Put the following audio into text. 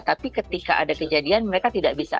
tapi ketika ada kejadian mereka tidak bisa